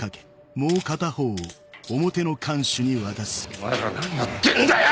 お前ら何やってんだよ！